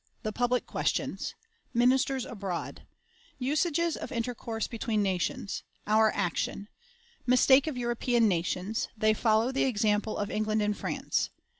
The Public Questions. Ministers abroad. Usages of Intercourse between Nations. Our Action. Mistake of European Nations; they follow the Example of England and France.